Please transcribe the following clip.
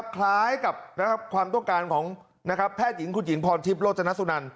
คล้ายกับความต้องการของแพทย์หญิงคุณหญิงพรทิพย์โรจนสุนัน